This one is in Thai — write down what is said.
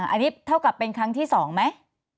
อันนี้เท่ากับเป็นครั้งที่๒ไหม